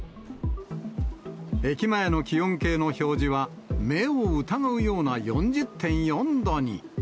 駅前の気温計の表示は、目を疑うような４０．４度に。